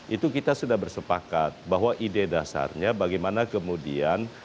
itu kita sudah bersepakat bahwa ide dasarnya bagaimana kemudian